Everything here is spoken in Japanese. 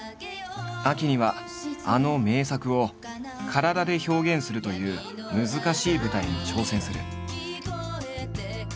秋にはあの名作を体で表現するという難しい舞台に挑戦する。